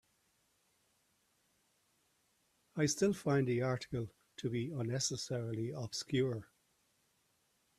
I still find the article to be unnecessarily obscure.